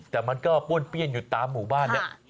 แต่มันก็ป้วนเปี้ยนอยู่ตามหมู่บ้านแล้ว